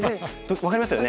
分かりますよね。